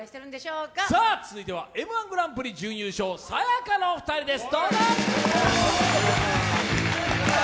続いてはＭ−１グランプリ準優勝、さや香のお二人です。